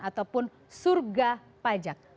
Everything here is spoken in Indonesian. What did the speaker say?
ataupun surga pajak